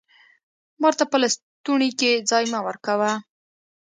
مار ته په لستوڼي کي ځای مه ورکوه!